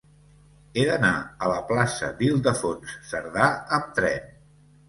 He d'anar a la plaça d'Ildefons Cerdà amb tren.